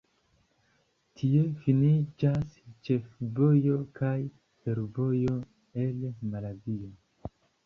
Tie finiĝas ĉefvojo kaj fervojo el Malavio.